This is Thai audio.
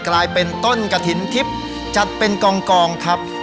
กลายเป็นต้นกระถิ่นทิพย์จัดเป็นกองครับ